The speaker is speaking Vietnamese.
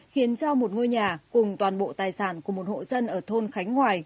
khiến cho một ngôi nhà cùng toàn bộ tài sản của một hộ dân ở thôn khánh hoài